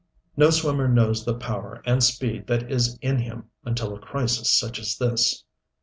No swimmer knows the power and speed that is in him until a crisis such as this.